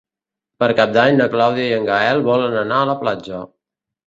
Per Cap d'Any na Clàudia i en Gaël volen anar a la platja.